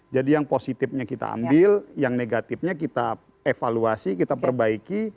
jadi yang positifnya kita ambil yang negatifnya kita evaluasi kita perbaiki